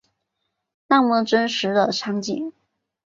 那么真实的情景